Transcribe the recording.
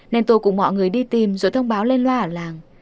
nên tôi cùng mọi người đi tìm rồi thông báo lên loa ở làng